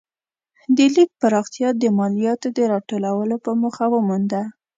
د لیک پراختیا د مالیاتو د راټولولو په موخه ومونده.